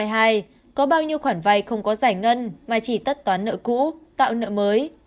trả một trăm hai mươi hai có bao nhiêu khoản vay không có giải ngân mà chỉ tất toán nợ cũ tạo nợ mới